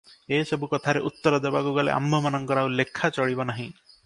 ଏସବୁ କଥାରେ ଉତ୍ତର ଦେବାକୁ ଗଲେ ଆମ୍ଭମାନଙ୍କର ଆଉ ଲେଖା ଚଳିବ ନାହିଁ ।